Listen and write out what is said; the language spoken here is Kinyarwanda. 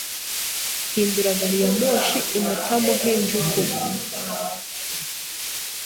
Hindura gari ya moshi i Matamahinjuku.